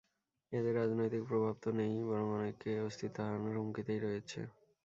এদের রাজনৈতিক প্রভাব তো নেই-ই, বরং অনেকে অস্তিত্ব হারানোর হুমকিতেই রয়েছে।